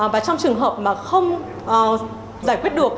và trong trường hợp mà không giải quyết được